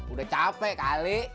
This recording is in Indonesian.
udah capek kali